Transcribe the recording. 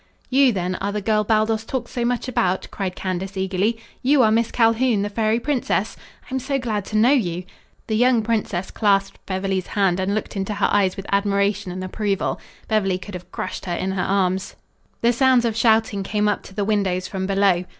"You, then, are the girl Baldos talks so much about?" cried Candace eagerly. "You are Miss Calhoun, the fairy princess? I am so glad to know you." The young princess clasped Beverly's hand and looked into her eyes with admiration and approval. Beverly could have crushed her in her arms. The sounds of shouting came up to the windows from below.